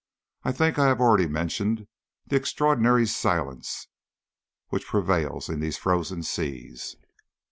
I think I have already mentioned the extraordinary silence which prevails in these frozen seas.